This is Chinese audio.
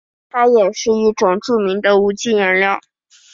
它也是一种著名的无机颜料。